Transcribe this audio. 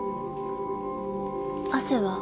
汗は？